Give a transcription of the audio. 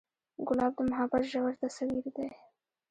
ګلاب د محبت ژور تصویر دی.